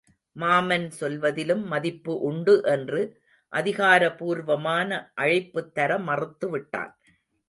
மாமன் சொல்வதிலும் மதிப்பு உண்டு என்று அதிகார பூர்வமான அழைப்புத்தர மறுத்து விட்டான்.